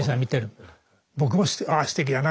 僕もああすてきだな